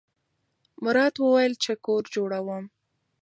مراد وویل چې کور جوړوم.